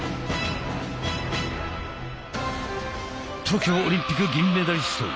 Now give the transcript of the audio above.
東京オリンピック銀メダリスト